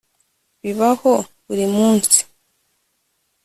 bibaho buri munsi